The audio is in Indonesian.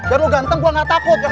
biar lu ganteng gua gak takut